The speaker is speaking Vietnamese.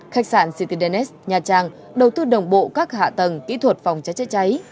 khách sạn citydns nhà trang đầu tư đồng bộ các hạ tầng kỹ thuật phòng cháy chữa cháy